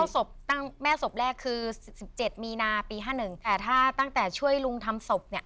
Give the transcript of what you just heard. เฝ้าศพตั้งแม่ศพแรกคือสิบเจ็ดมีนาปีห้าหนึ่งแต่ถ้าตั้งแต่ช่วยลุงทำศพเนี้ย